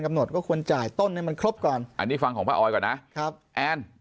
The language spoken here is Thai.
หดก็ควรจ่ายต้นให้มันครบก่อนอันนี้ฟังของพระออยก่อนนะครับแอน